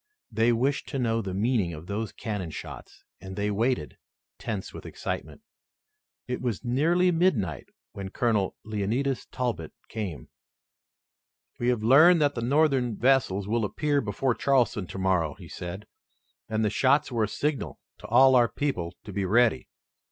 They wished to know the meaning of those cannon shots and they waited, tense with excitement. It was nearly midnight when Colonel Leonidas Talbot came. "We have learned that the Northern vessels will appear before Charleston tomorrow," he said, "and the shots were a signal to all our people to be ready.